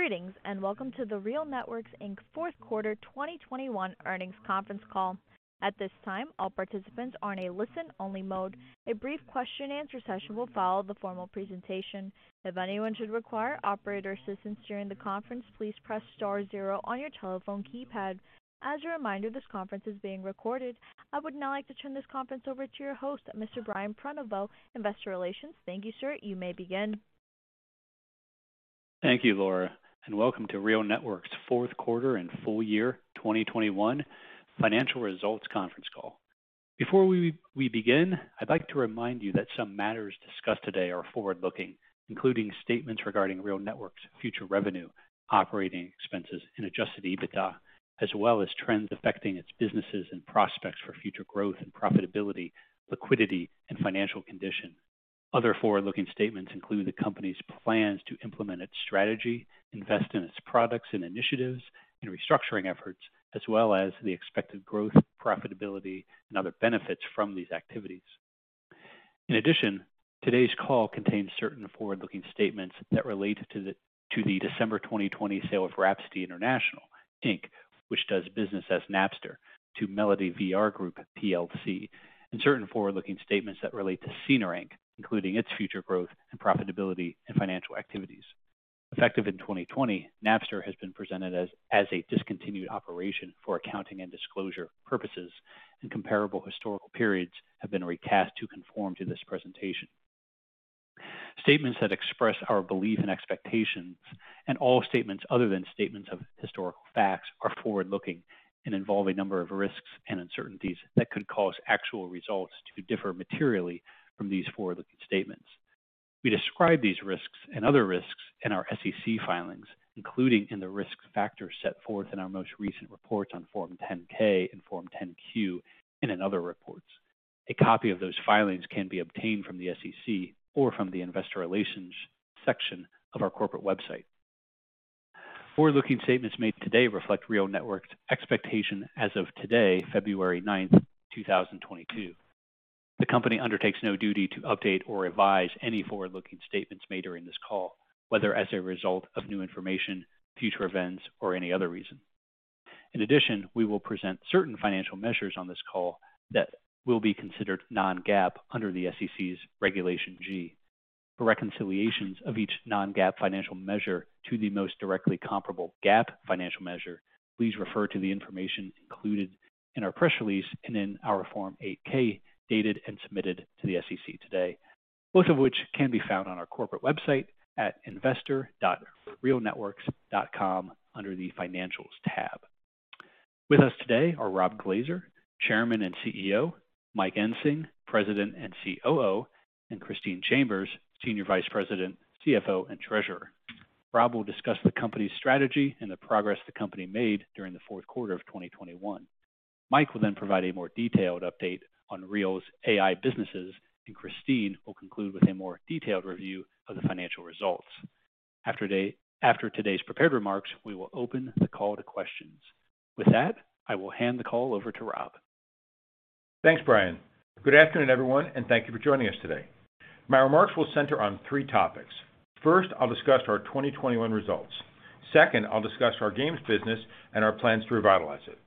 Greetings, and welcome to the RealNetworks, Inc.'s fourth quarter 2021 earnings conference call. At this time, all participants are in a listen-only mode. A brief question and answer session will follow the formal presentation. If anyone should require operator assistance during the conference, please press star zero on your telephone keypad. As a reminder, this conference is being recorded. I would now like to turn this conference over to your host, Mr. Brian Prenoveau, Investor Relations. Thank you, sir. You may begin. Thank you, Laura, and welcome to RealNetworks' fourth quarter and full year 2021 financial results conference call. Before we begin, I'd like to remind you that some matters discussed today are forward-looking, including statements regarding RealNetworks' future revenue, operating expenses, and adjusted EBITDA, as well as trends affecting its businesses and prospects for future growth and profitability, liquidity, and financial condition. Other forward-looking statements include the company's plans to implement its strategy, invest in its products and initiatives, and restructuring efforts, as well as the expected growth, profitability, and other benefits from these activities. In addition, today's call contains certain forward-looking statements that relate to the December 2020 sale of Rhapsody International, Inc., which does business as Napster to MelodyVR Group PLC, and certain forward-looking statements that relate to Scener Inc., including its future growth and profitability and financial activities. Effective in 2020, Napster has been presented as a discontinued operation for accounting and disclosure purposes, and comparable historical periods have been recast to conform to this presentation. Statements that express our belief and expectations and all statements other than statements of historical facts are forward-looking and involve a number of risks and uncertainties that could cause actual results to differ materially from these forward-looking statements. We describe these risks and other risks in our SEC filings, including in the risk factors set forth in our most recent reports on Form 10-K and Form 10-Q, and in other reports. A copy of those filings can be obtained from the SEC or from the investor relations section of our corporate website. Forward-looking statements made today reflect RealNetworks expectation as of today, February 9th, 2022. The company undertakes no duty to update or revise any forward-looking statements made during this call, whether as a result of new information, future events, or any other reason. In addition, we will present certain financial measures on this call that will be considered non-GAAP under the SEC's Regulation G. For reconciliations of each non-GAAP financial measure to the most directly comparable GAAP financial measure, please refer to the information included in our press release and in our Form 8-K, dated and submitted to the SEC today, both of which can be found on our corporate website at investor.realnetworks.com under the Financials tab. With us today are Rob Glaser, Chairman and CEO, Mike Ensing, President and COO, and Christine Chambers, Senior Vice President, CFO, and Treasurer. Rob will discuss the company's strategy and the progress the company made during the fourth quarter of 2021. Mike will then provide a more detailed update on Real's AI businesses, and Christine will conclude with a more detailed review of the financial results. After today's prepared remarks, we will open the call to questions. With that, I will hand the call over to Rob. Thanks, Brian. Good afternoon, everyone, and thank you for joining us today. My remarks will center on three topics. First, I'll discuss our 2021 results. Second, I'll discuss our games business and our plans to revitalize it.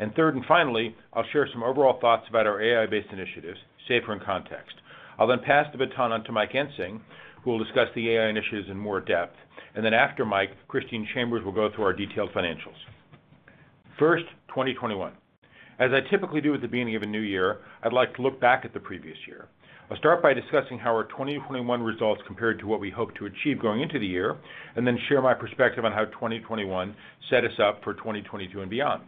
And third, and finally, I'll share some overall thoughts about our AI-based initiatives, SAFR and KONTXT. I'll then pass the baton on to Mike Ensing, who will discuss the AI initiatives in more depth. After Mike, Christine Chambers will go through our detailed financials. First, 2021. As I typically do at the beginning of a new year, I'd like to look back at the previous year. I'll start by discussing how our 2021 results compared to what we hoped to achieve going into the year, and then share my perspective on how 2021 set us up for 2022 and beyond.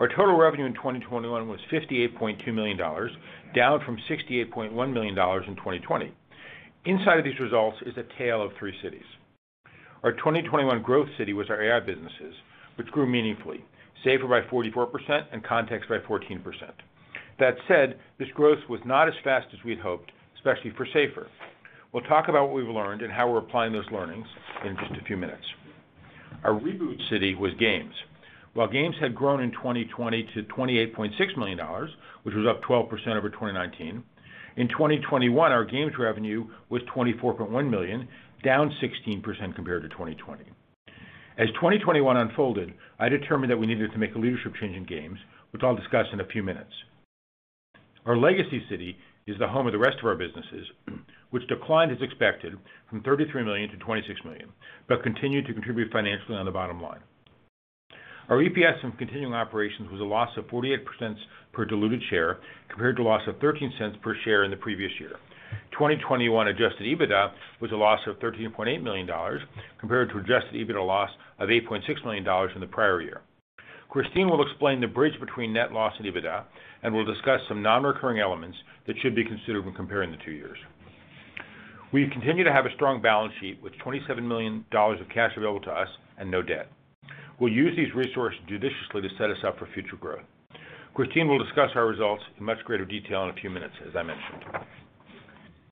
Our total revenue in 2021 was $58.2 million, down from $68.1 million in 2020. Inside of these results is a tale of three cities. Our 2021 growth city was our AI businesses, which grew meaningfully, SAFR by 44% and KONTXT by 14%. That said, this growth was not as fast as we'd hoped, especially for SAFR. We'll talk about what we've learned and how we're applying those learnings in just a few minutes. Our reboot city was Games. While Games had grown in 2020 to $28.6 million, which was up 12% over 2019, in 2021, our Games revenue was $24.1 million, down 16% compared to 2020. As 2021 unfolded, I determined that we needed to make a leadership change in Games, which I'll discuss in a few minutes. Our legacy city is the home of the rest of our businesses, which declined as expected from $33 million to $26 million, but continued to contribute financially on the bottom line. Our EPS from continuing operations was a loss of $0.48 per diluted share compared to loss of $0.13 per share in the previous year. 2021 adjusted EBITDA was a loss of $13.8 million compared to adjusted EBITDA loss of $8.6 million from the prior year. Christine will explain the bridge between net loss and EBITDA, and we'll discuss some non-recurring elements that should be considered when comparing the two years. We continue to have a strong balance sheet with $27 million of cash available to us and no debt. We'll use these resources judiciously to set us up for future growth. Christine will discuss our results in much greater detail in a few minutes, as I mentioned.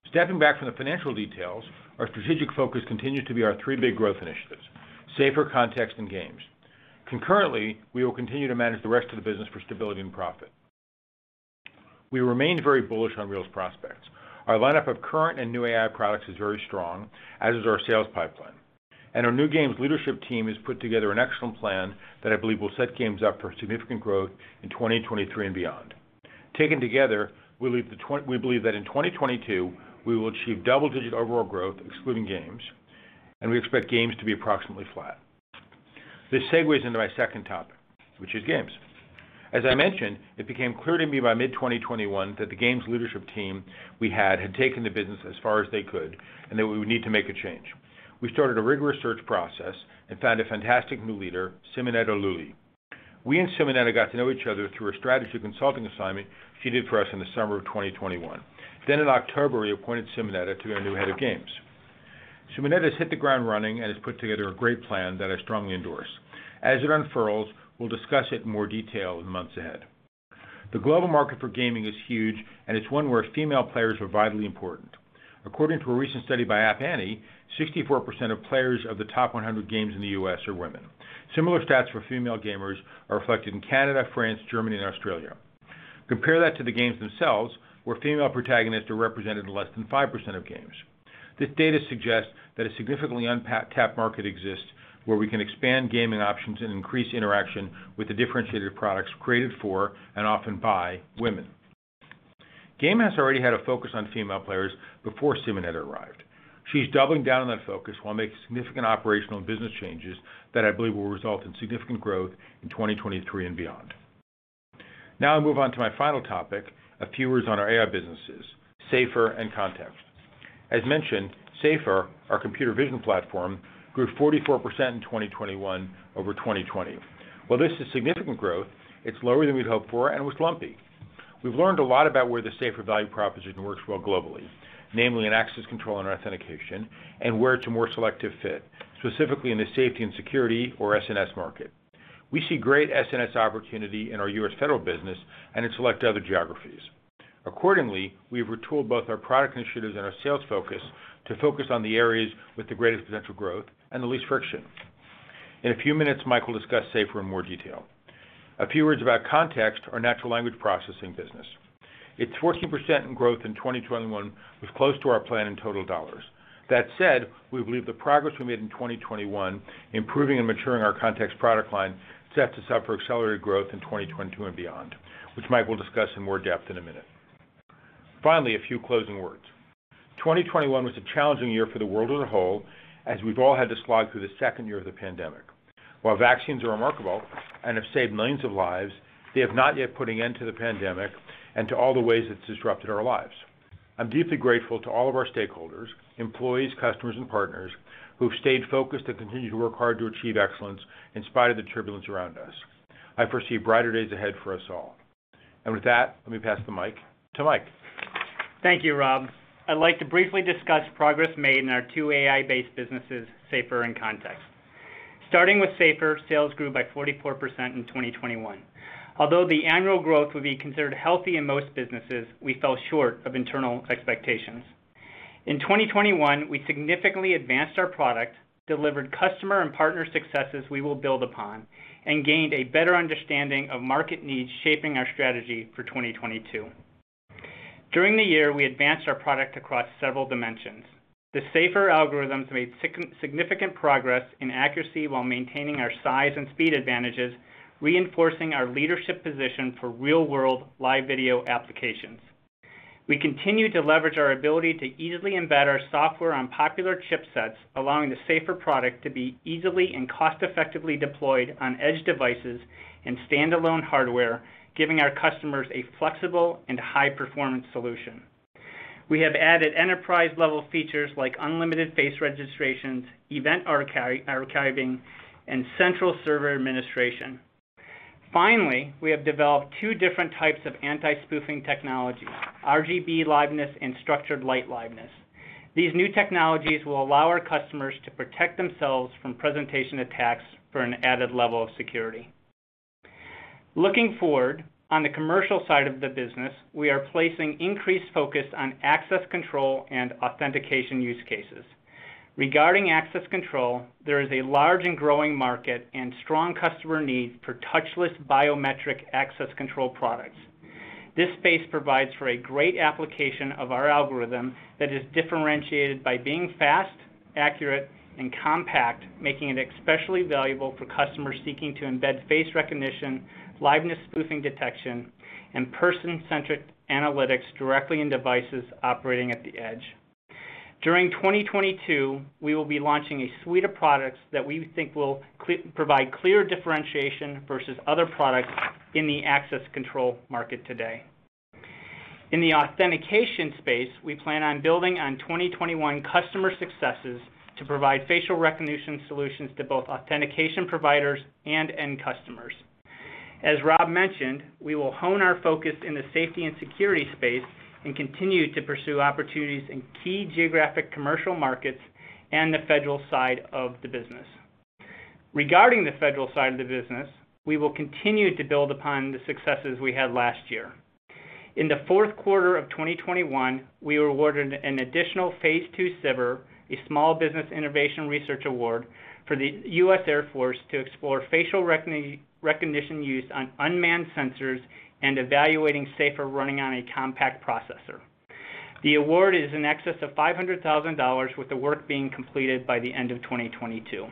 Stepping back from the financial details, our strategic focus continued to be our three big growth initiatives, SAFR, KONTXT, and Games. Concurrently, we will continue to manage the rest of the business for stability and profit. We remain very bullish on Real's prospects. Our lineup of current and new AI products is very strong, as is our sales pipeline, and our new Games leadership team has put together an excellent plan that I believe will set Games up for significant growth in 2023 and beyond. Taken together, we believe that in 2022 we will achieve double-digit overall growth, excluding Games, and we expect Games to be approximately flat. This segues into my second topic, which is Games. As I mentioned, it became clear to me by mid-2021 that the Games leadership team we had had taken the business as far as they could, and that we would need to make a change. We started a rigorous search process and found a fantastic new leader, Simonetta Lulli. We and Simonetta got to know each other through a strategy consulting assignment she did for us in the summer of 2021. In October, we appointed Simonetta to our new Head of Games. Simonetta's hit the ground running and has put together a great plan that I strongly endorse. As it unfurls, we'll discuss it in more detail in the months ahead. The global market for gaming is huge, and it's one where female players are vitally important. According to a recent study by App Annie, 64% of players of the top 100 games in the U.S. are women. Similar stats for female gamers are reflected in Canada, France, Germany and Australia. Compare that to the games themselves, where female protagonists are represented in less than 5% of games. This data suggests that a significantly untapped market exists, where we can expand gaming options and increase interaction with the differentiated products created for and often by women. Games has already had a focus on female players before Simonetta arrived. She's doubling down on that focus while making significant operational and business changes that I believe will result in significant growth in 2023 and beyond. Now I move on to my final topic, a few words on our AI businesses, SAFR and KONTXT. As mentioned, SAFR, our computer vision platform, grew 44% in 2021 over 2020. While this is significant growth, it's lower than we'd hoped for and was lumpy. We've learned a lot about where the SAFR value proposition works well globally, namely in access control and authentication, and where it's a more selective fit, specifically in the safety and security or SNS market. We see great SNS opportunity in our U.S. federal business and in select other geographies. Accordingly, we've retooled both our product initiatives and our sales focus to focus on the areas with the greatest potential growth and the least friction. In a few minutes, Mike will discuss SAFR in more detail. A few words about KONTXT, our natural language processing business. Its 14% growth in 2021 was close to our plan in total dollars. That said, we believe the progress we made in 2021, improving and maturing our KONTXT product line, sets us up for accelerated growth in 2022 and beyond, which Mike will discuss in more depth in a minute. Finally, a few closing words. 2021 was a challenging year for the world on the whole, as we've all had to slog through the second year of the pandemic. While vaccines are remarkable and have saved millions of lives, they have not yet put an end to the pandemic and to all the ways it's disrupted our lives. I'm deeply grateful to all of our stakeholders, employees, customers and partners who've stayed focused and continued to work hard to achieve excellence in spite of the turbulence around us. I foresee brighter days ahead for us all. With that, let me pass the mic to Mike. Thank you, Rob. I'd like to briefly discuss progress made in our two AI-based businesses, SAFR and KONTXT. Starting with SAFR, sales grew by 44% in 2021. Although the annual growth would be considered healthy in most businesses, we fell short of internal expectations. In 2021, we significantly advanced our product, delivered customer and partner successes we will build upon, and gained a better understanding of market needs shaping our strategy for 2022. During the year, we advanced our product across several dimensions. The SAFR algorithms made significant progress in accuracy while maintaining our size and speed advantages, reinforcing our leadership position for real-world live video applications. We continued to leverage our ability to easily embed our software on popular chipsets, allowing the SAFR product to be easily and cost-effectively deployed on edge devices and standalone hardware, giving our customers a flexible and high-performance solution. We have added enterprise-level features like unlimited face registrations, event archiving, and central server administration. Finally, we have developed two different types of anti-spoofing technologies, RGB liveness and structured light liveness. These new technologies will allow our customers to protect themselves from presentation attacks for an added level of security. Looking forward, on the commercial side of the business, we are placing increased focus on access control and authentication use cases. Regarding access control, there is a large and growing market and strong customer need for touchless biometric access control products. This space provides for a great application of our algorithm that is differentiated by being fast, accurate, and compact, making it especially valuable for customers seeking to embed face recognition, liveness spoofing detection, and person-centric analytics directly in devices operating at the edge. During 2022, we will be launching a suite of products that we think will provide clear differentiation versus other products in the access control market today. In the authentication space, we plan on building on 2021 customer successes to provide facial recognition solutions to both authentication providers and end customers. As Rob mentioned, we will hone our focus in the safety and security space and continue to pursue opportunities in key geographic commercial markets and the federal side of the business. Regarding the federal side of the business, we will continue to build upon the successes we had last year. In the fourth quarter of 2021, we were awarded an additional phase two SBIR, a Small Business Innovation Research award, for the U.S. Air Force to explore facial recognition use on unmanned sensors and evaluating SAFR running on a compact processor. The award is in excess of $500,000, with the work being completed by the end of 2022.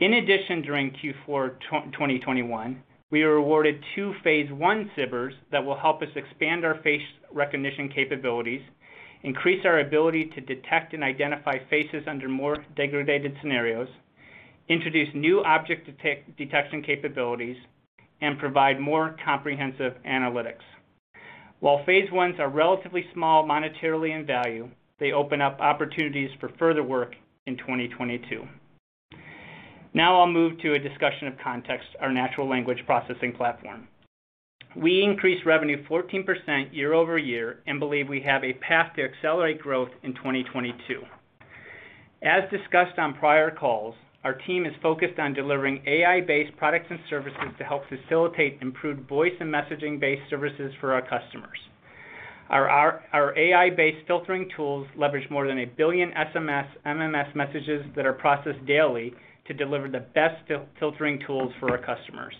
In addition, during Q4 2021, we were awarded two phase one SBIRs that will help us expand our face recognition capabilities, increase our ability to detect and identify faces under more degraded scenarios, introduce new object detection capabilities, and provide more comprehensive analytics. While phase ones are relatively small monetarily in value, they open up opportunities for further work in 2022. Now I'll move to a discussion of KONTXT, our natural language processing platform. We increased revenue 14% year-over-year and believe we have a path to accelerate growth in 2022. As discussed on prior calls, our team is focused on delivering AI-based products and services to help facilitate improved voice and messaging-based services for our customers. Our AI-based filtering tools leverage more than 1 billion SMS/MMS messages that are processed daily to deliver the best filtering tools for our customers.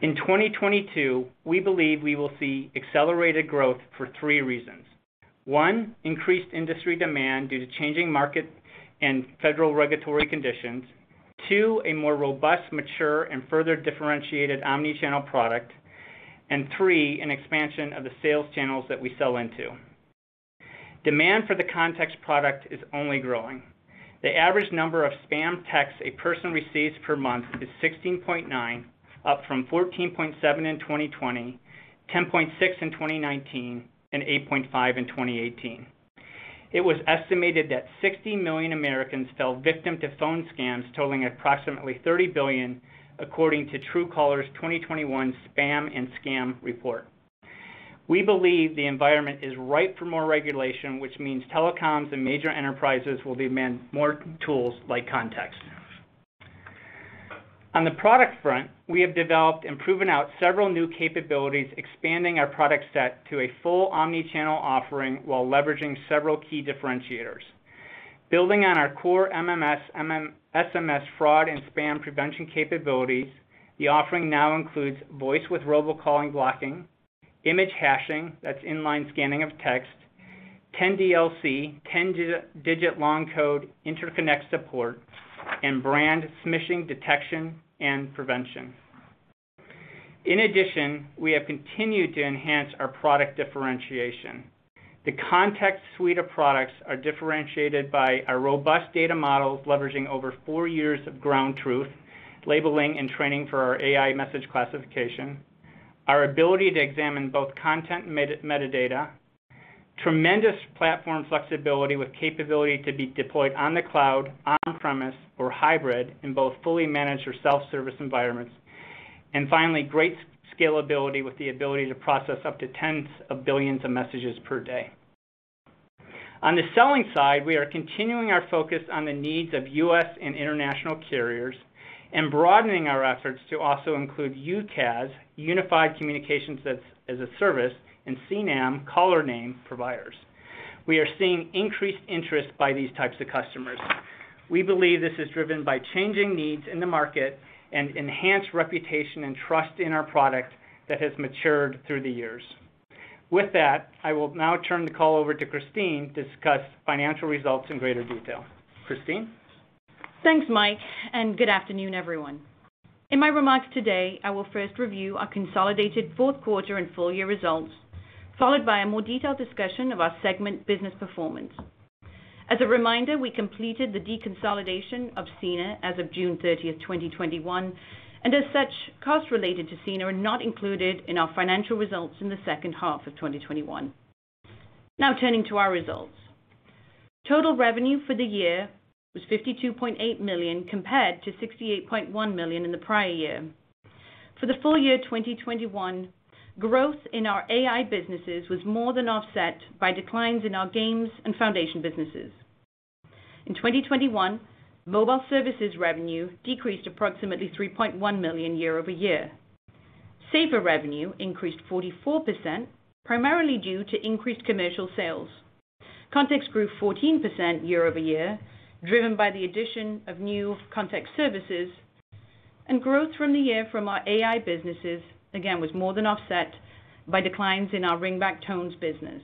In 2022, we believe we will see accelerated growth for three reasons. One, increased industry demand due to changing market and federal regulatory conditions. Two, a more robust, mature, and further differentiated omni-channel product. And three, an expansion of the sales channels that we sell into. Demand for the KONTXT product is only growing. The average number of spam texts a person receives per month is 16.9, up from 14.7 in 2020, 10.6 in 2019, and 8.5 in 2018. It was estimated that 60 million Americans fell victim to phone scams totaling approximately $30 billion according to Truecaller's 2021 Global Spam & Scam Report. We believe the environment is ripe for more regulation, which means telecoms and major enterprises will demand more tools like KONTXT. On the product front, we have developed and proven out several new capabilities, expanding our product set to a full omni-channel offering while leveraging several key differentiators. Building on our core MMS/SMS fraud and spam prevention capabilities, the offering now includes voice with robocalling blocking, image hashing, that's inline scanning of text, 10DLC, 10-digit long code interconnect support, and brand smishing detection and prevention. In addition, we have continued to enhance our product differentiation. The KONTXT suite of products are differentiated by our robust data models leveraging over four years of ground truth, labeling and training for our AI message classification, our ability to examine both content and meta-metadata, tremendous platform flexibility with capability to be deployed on the cloud, on premise or hybrid in both fully managed or self-service environments, and finally, great scalability with the ability to process up to tens of billions of messages per day. On the selling side, we are continuing our focus on the needs of U.S. and international carriers and broadening our efforts to also include UCaaS, Unified Communications as a Service, and CNAM, Caller Name providers. We are seeing increased interest by these types of customers. We believe this is driven by changing needs in the market and enhanced reputation and trust in our product that has matured through the years. With that, I will now turn the call over to Christine to discuss financial results in greater detail. Christine. Thanks, Mike, and good afternoon, everyone. In my remarks today, I will first review our consolidated fourth quarter and full year results, followed by a more detailed discussion of our segment business performance. As a reminder, we completed the deconsolidation of Scener as of June 30, 2021, and as such, costs related to Scener are not included in our financial results in the second half of 2021. Now turning to our results. Total revenue for the year was $52.8 million compared to $68.1 million in the prior year. For the full year 2021, growth in our AI businesses was more than offset by declines in our games and foundation businesses. In 2021, mobile services revenue decreased approximately $3.1 million year-over-year. SAFR revenue increased 44%, primarily due to increased commercial sales. KONTXT grew 14% year-over-year, driven by the addition of new context services. Growth year-over-year from our AI businesses, again, was more than offset by declines in our ringback tones business.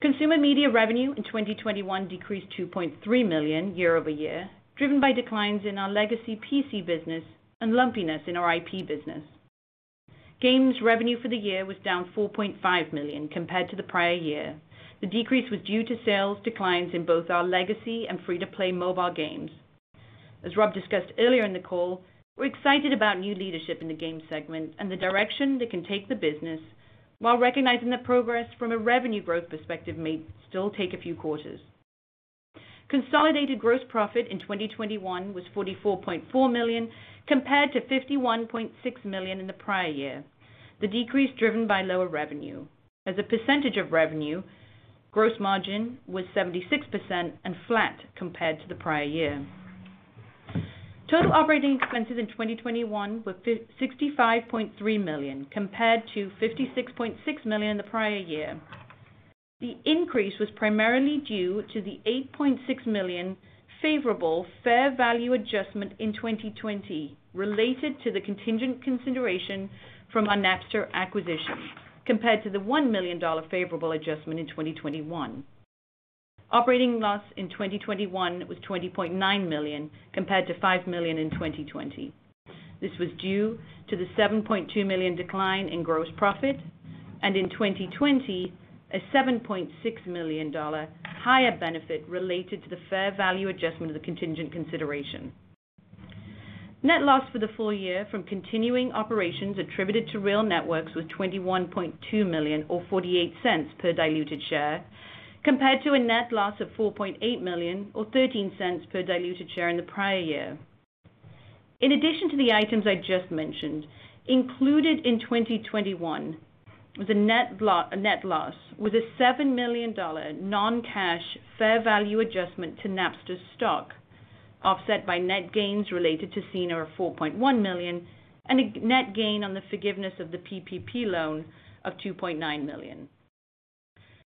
Consumer media revenue in 2021 decreased $2.3 million year-over-year, driven by declines in our legacy PC business and lumpiness in our IP business. Games revenue for the year was down $4.5 million compared to the prior year. The decrease was due to sales declines in both our legacy and free-to-play mobile games. As Rob discussed earlier in the call, we're excited about new leadership in the games segment and the direction they can take the business while recognizing the progress from a revenue growth perspective may still take a few quarters. Consolidated gross profit in 2021 was $44.4 million, compared to $51.6 million in the prior year, the decrease driven by lower revenue. As a percentage of revenue, gross margin was 76% and flat compared to the prior year. Total operating expenses in 2021 were $65.3 million, compared to $56.6 million in the prior year. The increase was primarily due to the $8.6 million favorable fair value adjustment in 2020 related to the contingent consideration from our Napster acquisition, compared to the $1 million favorable adjustment in 2021. Operating loss in 2021 was $20.9 million compared to $5 million in 2020. This was due to the $7.2 million decline in gross profit, and in 2020 a $7.6 million higher benefit related to the fair value adjustment of the contingent consideration. Net loss for the full year from continuing operations attributed to RealNetworks was $21.2 million or $0.48 per diluted share, compared to a net loss of $4.8 million or $0.13 per diluted share in the prior year. In addition to the items I just mentioned, included in 2021 was a net loss with a $7 million non-cash fair value adjustment to Napster's stock, offset by net gains related to Scener of $4.1 million and a net gain on the forgiveness of the PPP loan of $2.9 million.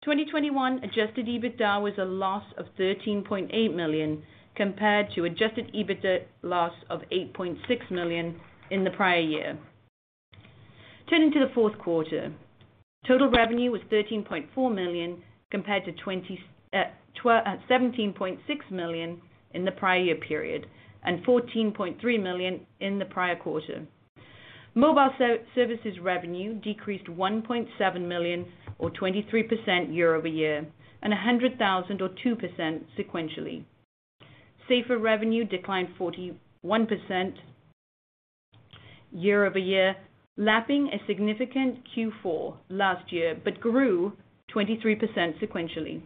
2021 adjusted EBITDA was a loss of $13.8 million compared to adjusted EBITDA loss of $8.6 million in the prior year. Turning to the fourth quarter. Total revenue was $13.4 million compared to $17.6 million in the prior year period, and $14.3 million in the prior quarter. Mobile services revenue decreased $1.7 million or 23% year-over-year, and $100,000 or 2% sequentially. SAFR revenue declined 41% year-over-year, lapping a significant Q4 last year, but grew 23% sequentially.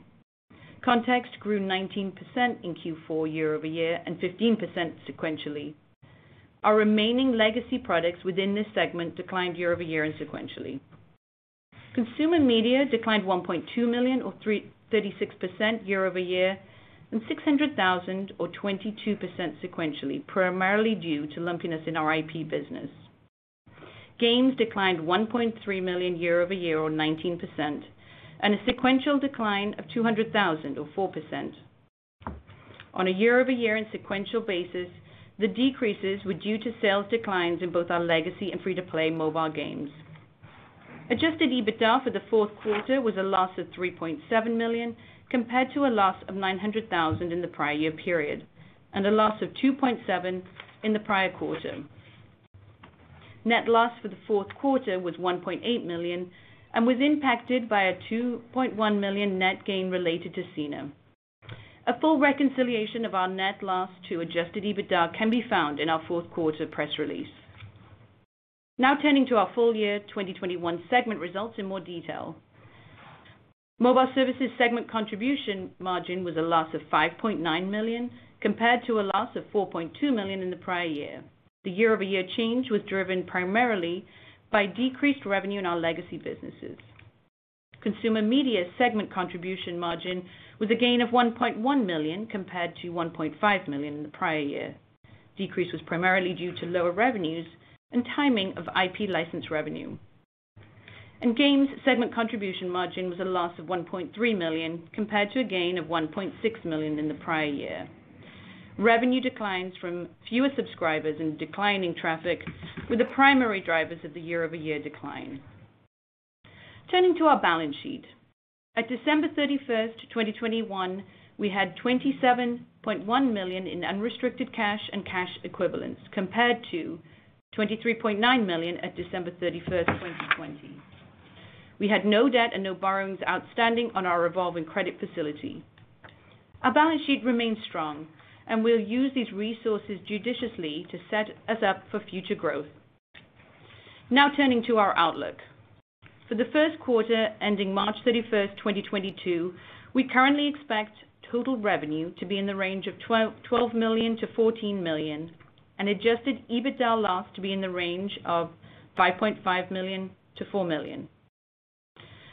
KONTXT grew 19% in Q4 year-over-year and 15% sequentially. Our remaining legacy products within this segment declined year-over-year and sequentially. Consumer media declined $1.2 million or 36% year-over-year, and $600,000 or 22% sequentially, primarily due to lumpiness in our IP business. Games declined $1.3 million year-over-year or 19%, and a sequential decline of $200,000 or 4%. On a year-over-year and sequential basis, the decreases were due to sales declines in both our legacy and free-to-play mobile games. Adjusted EBITDA for the fourth quarter was a loss of $3.7 million compared to a loss of $900,000 in the prior year period, and a loss of $2.7 million in the prior quarter. Net loss for the fourth quarter was $1.8 million and was impacted by a $2.1 million net gain related to Scener. A full reconciliation of our net loss to adjusted EBITDA can be found in our fourth quarter press release. Now turning to our full year 2021 segment results in more detail. Mobile services segment contribution margin was a loss of $5.9 million compared to a loss of $4.2 million in the prior year. The year-over-year change was driven primarily by decreased revenue in our legacy businesses. Consumer media segment contribution margin was a gain of $1.1 million compared to $1.5 million in the prior year. Decrease was primarily due to lower revenues and timing of IP license revenue. Games segment contribution margin was a loss of $1.3 million compared to a gain of $1.6 million in the prior year. Revenue declines from fewer subscribers and declining traffic were the primary drivers of the year-over-year decline. Turning to our balance sheet. At December 31st, 2021, we had $27.1 million in unrestricted cash and cash equivalents compared to $23.9 million at December 31, 2020. We had no debt and no borrowings outstanding on our revolving credit facility. Our balance sheet remains strong and we'll use these resources judiciously to set us up for future growth. Now turning to our outlook. For the first quarter ending March 31, 2022, we currently expect total revenue to be in the range of $12 million to $14 million and adjusted EBITDA loss to be in the range of $5.5 million to $4 million.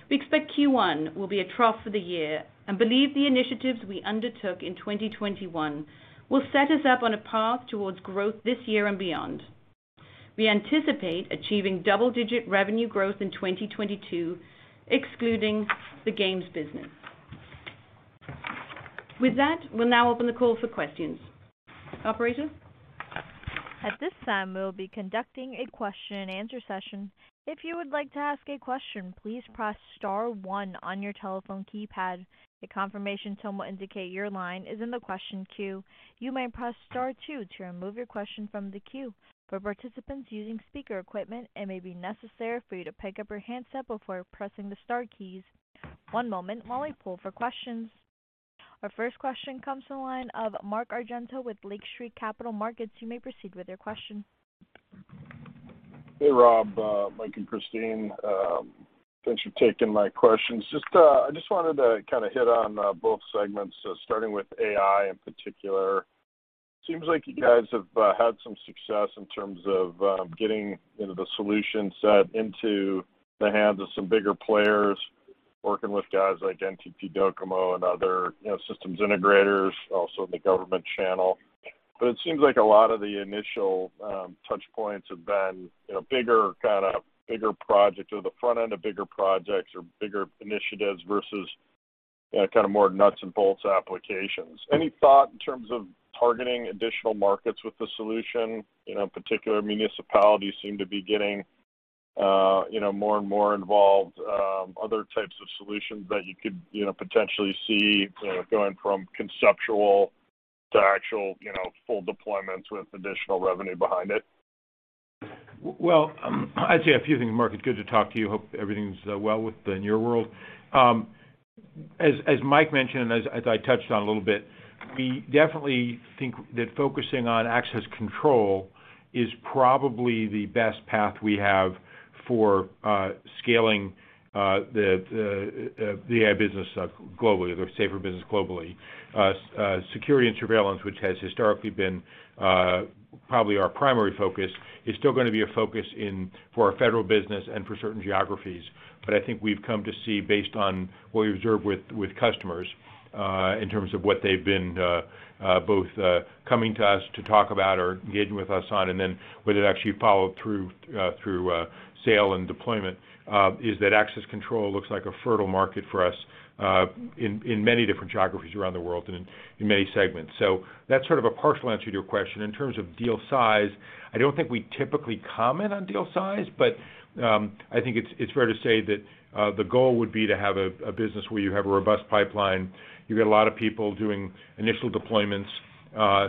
We expect Q1 will be a trough for the year and believe the initiatives we undertook in 2021 will set us up on a path towards growth this year and beyond. We anticipate achieving double-digit revenue growth in 2022, excluding the Games business. With that, we'll now open the call for questions. Operator? At this time, we'll be conducting a question and answer session. If you would like to ask a question, please press star one on your telephone keypad. A confirmation tone will indicate your line is in the question queue. You may press star two to remove your question from the queue. For participants using speaker equipment, it may be necessary for you to pick up your handset before pressing the star keys. One moment while I pull for questions. Our first question comes from the line of Mark Argento with Lake Street Capital Markets. You may proceed with your question. Hey, Rob, Mike, and Christine, thanks for taking my questions. Just, I just wanted to kinda hit on both segments, starting with AI in particular. Seems like you guys have had some success in terms of getting, you know, the solution set into the hands of some bigger players, working with guys like NTT Docomo and other, you know, systems integrators, also in the government channel. It seems like a lot of the initial touch points have been, you know, bigger, kinda bigger projects or the front end of bigger projects or bigger initiatives versus Yeah, kind of more nuts and bolts applications. Any thought in terms of targeting additional markets with the solution? You know, particular municipalities seem to be getting, you know, more and more involved, other types of solutions that you could, you know, potentially see, you know, going from conceptual to actual, you know, full deployments with additional revenue behind it. Well, I'd say a few things, Mark. It's good to talk to you. Hope everything's well in your world. As Mike mentioned, and as I touched on a little bit, we definitely think that focusing on access control is probably the best path we have for scaling the AI business globally or the SAFR business globally. Security and surveillance, which has historically been probably our primary focus, is still gonna be a focus for our federal business and for certain geographies. I think we've come to see based on what we observe with customers in terms of what they've been both coming to us to talk about or engaging with us on, and then when it actually followed through through sale and deployment is that access control looks like a fertile market for us in many different geographies around the world and in many segments. That's sort of a partial answer to your question. In terms of deal size, I don't think we typically comment on deal size, but I think it's fair to say that the goal would be to have a business where you have a robust pipeline. You get a lot of people doing initial deployments,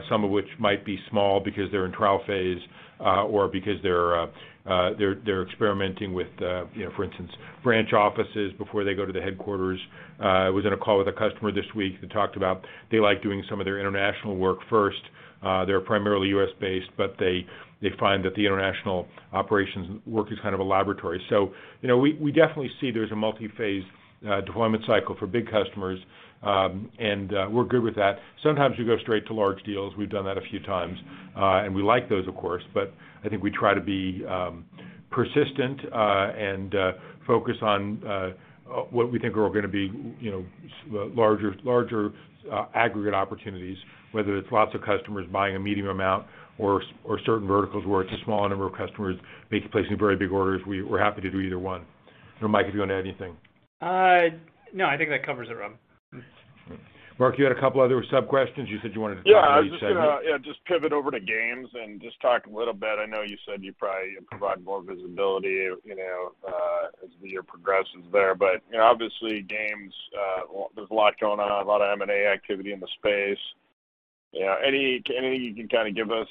some of which might be small because they're in trial phase, or because they're experimenting with, you know, for instance, branch offices before they go to the headquarters. I was in a call with a customer this week that talked about they like doing some of their international work first. They're primarily U.S.-based, but they find that the international operations work is kind of a laboratory. You know, we definitely see there's a multi-phase deployment cycle for big customers, and we're good with that. Sometimes we go straight to large deals. We've done that a few times, and we like those, of course, but I think we try to be persistent and focus on what we think are gonna be, you know, larger aggregate opportunities, whether it's lots of customers buying a medium amount or certain verticals where it's a small number of customers placing very big orders. We're happy to do either one. I don't know, Mike, if you wanna add anything. No, I think that covers it, Rob. Mark, you had a couple other sub-questions you said you wanted to talk about each segment. I was gonna just pivot over to games and just talk a little bit. I know you said you'd probably provide more visibility, you know, as the year progresses there. You know, obviously games, there's a lot going on, a lot of M&A activity in the space. You know, anything you can kinda give us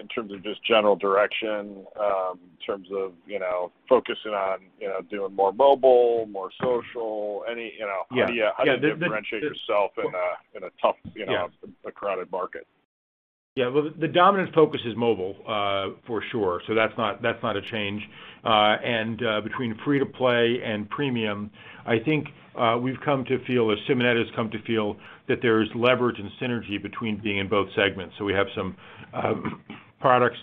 in terms of just general direction in terms of, you know, focusing on, you know, doing more mobile, more social? Any, you know- Yeah. How do you- Yeah. How do you differentiate yourself in a tough, you know? Yeah a crowded market? Yeah. Well, the dominant focus is mobile, for sure. That's not a change. Between free-to-play and premium, I think we've come to feel or Simonetta has come to feel that there's leverage and synergy between being in both segments. We have some products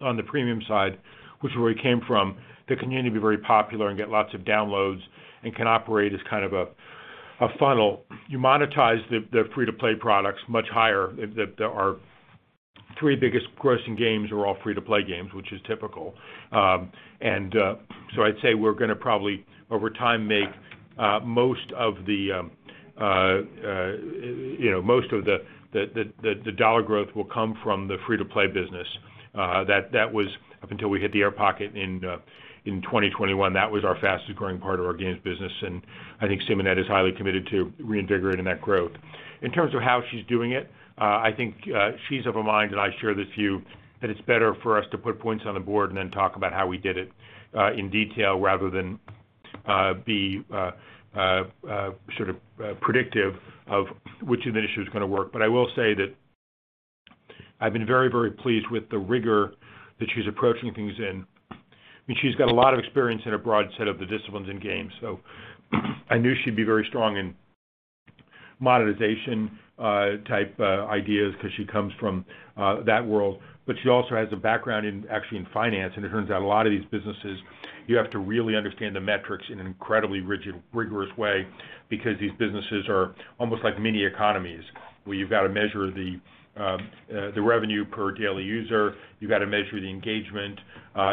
on the premium side, which is where we came from, that continue to be very popular and get lots of downloads and can operate as kind of a funnel. You monetize the free-to-play products much higher. Our three biggest grossing games are all free-to-play games, which is typical. You know, I'd say we're gonna probably over time most of the dollar growth will come from the free-to-play business. That was up until we hit the air pocket in 2021. That was our fastest growing part of our games business, and I think Simonetta is highly committed to reinvigorating that growth. In terms of how she's doing it, I think she's of a mind, and I share this view, that it's better for us to put points on the board and then talk about how we did it in detail rather than be sort of predictive of which initiative is gonna work. I will say that I've been very, very pleased with the rigor that she's approaching things in. I mean, she's got a lot of experience in a broad set of the disciplines in games, so I knew she'd be very strong in monetization type ideas 'cause she comes from that world. She also has a background in actually in finance, and it turns out a lot of these businesses, you have to really understand the metrics in an incredibly rigid, rigorous way because these businesses are almost like mini economies, where you've got to measure the revenue per daily user. You've got to measure the engagement.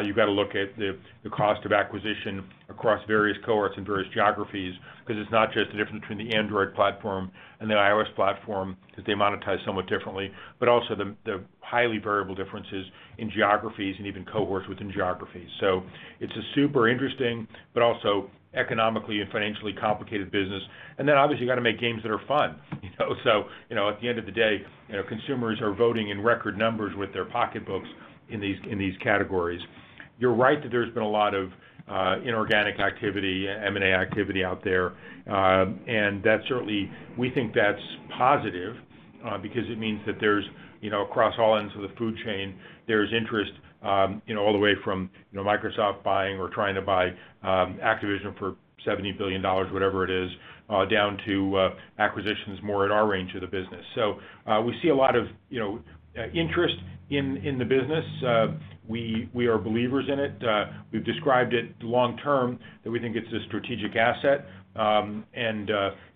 You've got to look at the cost of acquisition across various cohorts and various geographies 'cause it's not just the difference between the Android platform and the iOS platform, that they monetize somewhat differently, but also the highly variable differences in geographies and even cohorts within geographies. It's a super interesting but also economically and financially complicated business. Then obviously, you gotta make games that are fun, you know? You know, at the end of the day, you know, consumers are voting in record numbers with their pocketbooks in these categories. You're right that there's been a lot of inorganic activity, M&A activity out there. That certainly we think that's positive because it means that there's you know across all ends of the food chain there's interest you know all the way from you know Microsoft buying or trying to buy Activision for $70 billion whatever it is down to acquisitions more at our range of the business. We see a lot of you know interest in the business. We are believers in it. We've described it long term that we think it's a strategic asset and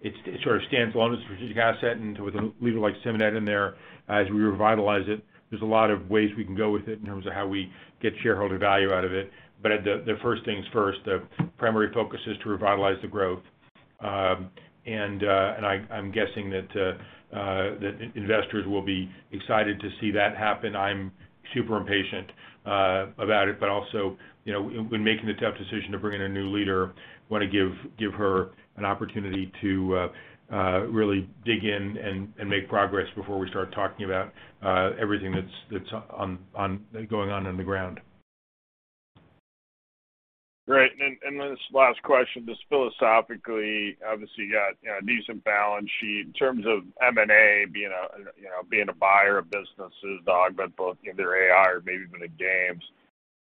it sort of stands alone as a strategic asset. With a leader like Simonetta in there, as we revitalize it, there's a lot of ways we can go with it in terms of how we get shareholder value out of it. But first things first, the primary focus is to revitalize the growth. I’m guessing that investors will be excited to see that happen. I’m super impatient about it, but also, you know, when making the tough decision to bring in a new leader, wanna give her an opportunity to really dig in and make progress before we start talking about everything that's going on on the ground. Great. This last question, just philosophically, obviously, you got, you know, a decent balance sheet. In terms of M&A, being a you know buyer of businesses, dog, but both either AI or maybe even in games,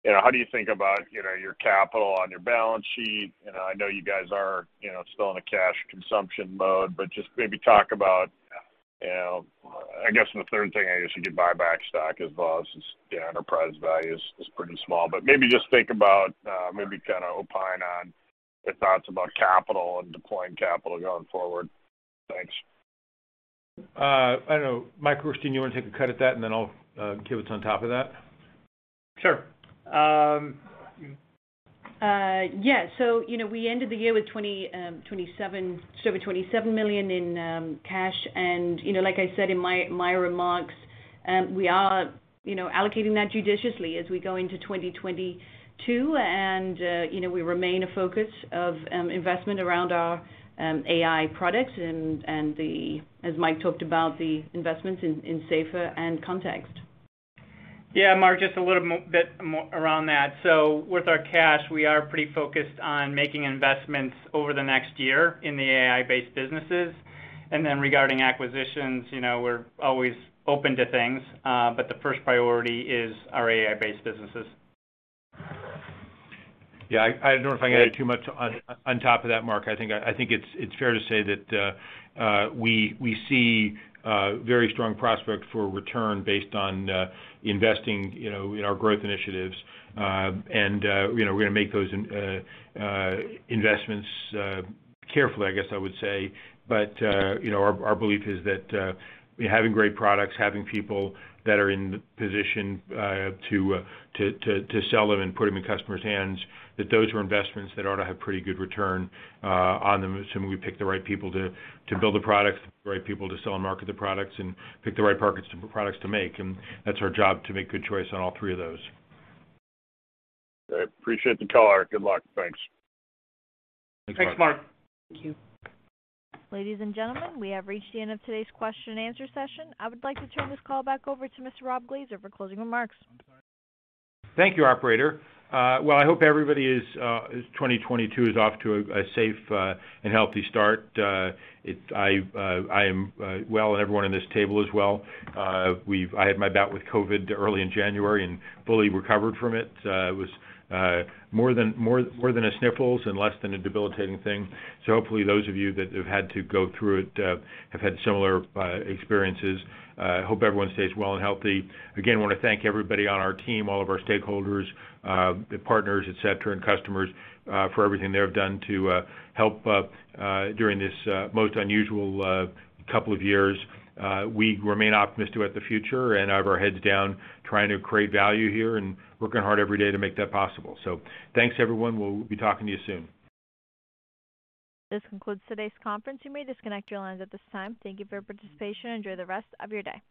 you know, how do you think about, you know, your capital on your balance sheet? You know, I know you guys are, you know, still in a cash consumption mode, but just maybe talk about, you know. I guess the third thing you could buy back stock as well since the enterprise value is pretty small. Maybe just think about, maybe kinda opine on your thoughts about capital and deploying capital going forward. Thanks. I don't know, Mike or Christine, you wanna take a cut at that, and then I'll give what's on top of that? Sure. Yeah. You know, we ended the year with just over $27 million in cash. You know, like I said in my remarks, we are allocating that judiciously as we go into 2022. You know, we remain a focus of investment around our AI products and the, as Mike talked about, the investments in SAFR and KONTXT. Yeah, Mark, just a little bit more around that. With our cash, we are pretty focused on making investments over the next year in the AI-based businesses. Regarding acquisitions, you know, we're always open to things, but the first priority is our AI-based businesses. Yeah, I don't know if I can add too much on top of that, Mark. I think it's fair to say that we see very strong prospects for return based on investing, you know, in our growth initiatives. You know, we're gonna make those investments carefully, I guess I would say. You know, our belief is that having great products, having people that are in the position to sell them and put them in customers' hands, that those are investments that ought to have pretty good return on them, assuming we pick the right people to build the products, the right people to sell and market the products, and pick the right markets products to make. That's our job to make good choice on all three of those. I appreciate the call, Eric. Good luck. Thanks. Thanks, Mark. Thank you. Ladies and gentlemen, we have reached the end of today's question and answer session. I would like to turn this call back over to Mr. Rob Glaser for closing remarks. Thank you, operator. Well, I hope everybody is well. 2022 is off to a safe and healthy start. I am well, and everyone on this table is well. I had my bout with COVID early in January and fully recovered from it. It was more than the sniffles and less than a debilitating thing. Hopefully those of you that have had to go through it have had similar experiences. Hope everyone stays well and healthy. Again, want to thank everybody on our team, all of our stakeholders, the partners, et cetera, and customers for everything they have done to help during this most unusual couple of years. We remain optimistic about the future and have our heads down trying to create value here and working hard every day to make that possible. Thanks, everyone. We'll be talking to you soon. This concludes today's conference. You may disconnect your lines at this time. Thank you for your participation. Enjoy the rest of your day.